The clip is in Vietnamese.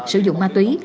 sử dụng ma túy